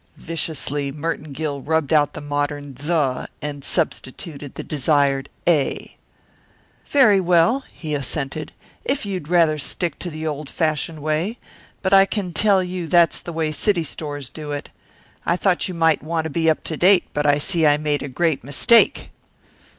Viciously Merton Gill rubbed out the modern "the" and substituted the desired "a." "Very well," he assented, "if you'd rather stick to the old fashioned way; but I can tell you that's the way city stores do it. I thought you might want to be up to date, but I see I made a great mistake."